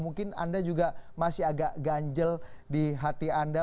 mungkin anda juga masih agak ganjel di hati anda